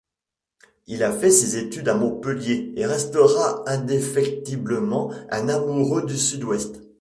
Il a fait ses études à Montpellier et restera indéfectiblement un amoureux du sud-ouest.